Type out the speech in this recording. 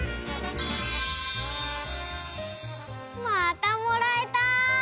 またもらえた！